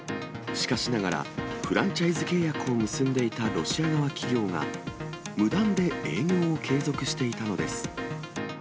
しかしながら、フランチャイズ契約を結んでいたロシア側企業が、無断で営業を継続していたのです。